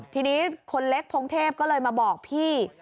ทีนี้คนเล็กพงเทพก็เลยมาบอกพี่